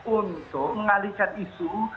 untuk mengalihkan isu